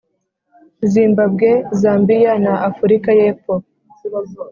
zimbabwe, zambia na afurika y’ epfo,